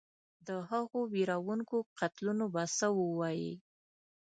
د هغو وېروونکو قتلونو به څه ووایې.